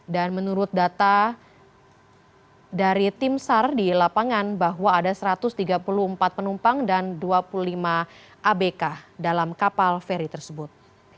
dan menurut data dari tim sar di lapangan bahwa ada satu ratus tiga puluh empat penumpang dan dua puluh lima abk dalam kapal feri tersebut